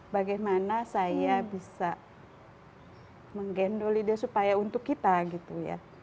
bagaimana saya bisa menggendoli dia supaya untuk kita gitu ya